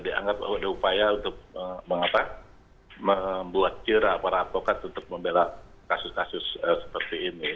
dianggap ada upaya untuk membuat kira para advokat untuk membela kasus kasus seperti ini